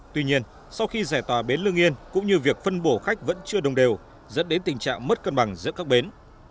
tuy nhiên sau khi giải tòa bến lương yên cũng như việc phân bổ khách vẫn chưa đồng đều dẫn đến tình trạng mất cân bằng giữa các bến